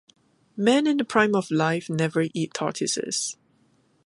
Men in the prime of life never eat tortoises.